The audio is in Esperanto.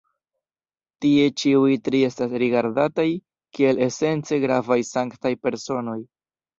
Tie ĉiuj tri estas rigardataj kiel esence gravaj sanktaj personoj.